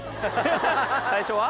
最初は？